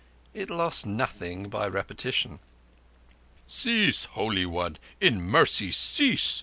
It lost nothing by repetition. "Cease, Holy One! In mercy, cease!"